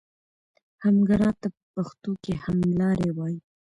همګرا ته په پښتو کې هملاری وایي.